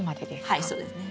はいそうですね。